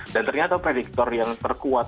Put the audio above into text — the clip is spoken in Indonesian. dan ternyata prediktor yang terkuat